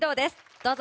どうぞ。